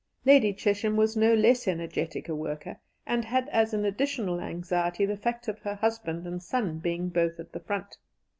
Lady Chesham was no less energetic a worker, and had as an additional anxiety the fact of her husband and son being both at the front.